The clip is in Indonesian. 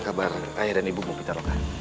kau dan ibu pita loka